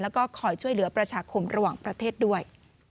แล้วก็คอยช่วยเหลือประชาคมระหว่างประเทศด้วย